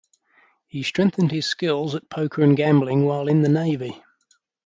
He strengthened his skills at poker and gambling while in the Navy.